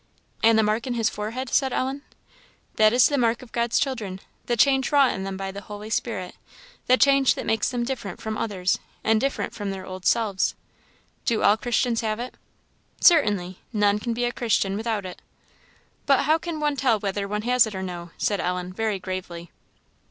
"And the mark in his forehead?" said Ellen. "That is the mark of God's children the change wrought in them by the Holy Spirit the change that makes them different from others, and different from their old selves." "Do all Christians have it?" "Certainly. None can be a Christian without it." "But how can one tell whether one has it or no?" said Ellen, very gravely.